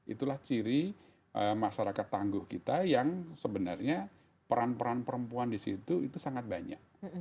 itulah ciri masyarakat tangguh kita yang sebenarnya peran peran perempuan di situ itu sangat banyak